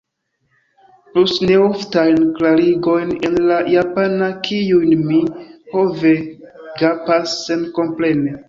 Plus neoftajn klarigojn en la japana, kiujn mi, ho ve, gapas senkomprene.